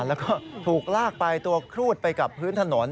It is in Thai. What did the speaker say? แล้วก็ถูกลากไปตัวครูดไปกับพื้นถนน